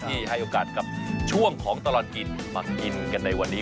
ให้โอกาสกับช่วงของตลอดกินมากินกันในวันนี้